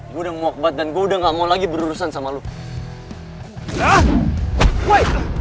gue udah mau akhbat dan gue udah gak mau lagi berurusan sama lo